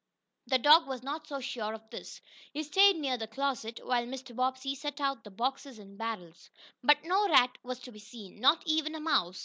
The dog was not so sure of this. He stayed near the closet, while Mr. Bobbsey set out the boxes and barrels, but no rat was to be seen, nor even a mouse.